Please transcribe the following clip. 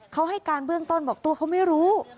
เขาให้การเบื้องต้นบอกตัวเขาไม่รู้